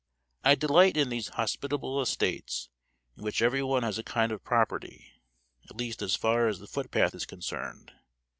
I delight in these hospitable estates, in which every one has a kind of property at least as far as the footpath is concerned.